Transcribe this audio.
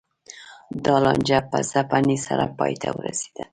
دا لانجه په ځپنې سره پای ته ورسېده